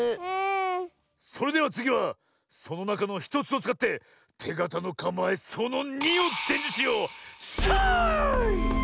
それではつぎはそのなかの１つをつかっててがたのかまえその２をでんじゅしよう。さい！